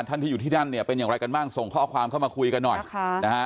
ที่อยู่ที่นั่นเนี่ยเป็นอย่างไรกันบ้างส่งข้อความเข้ามาคุยกันหน่อยค่ะนะฮะ